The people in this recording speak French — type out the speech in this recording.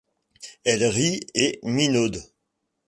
Elle rit et minaude.